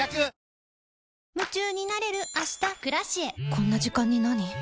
こんな時間になに？